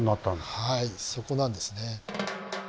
はいそこなんですね。